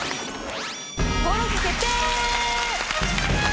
登録決定！